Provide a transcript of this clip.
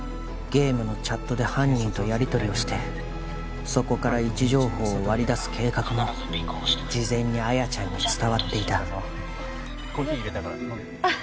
ゲームのチャットで犯人とやりとりをしてそこから位置情報を割り出す計画も事前に亜矢ちゃんに伝わっていたお疲れさまコーヒー入れたから飲んで